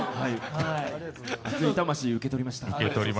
熱い魂、受け取りました。